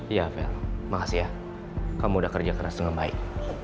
iya fel makasih ya kamu udah kerja keras dengan baik